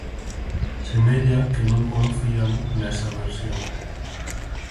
Semella que non confían nesa versión.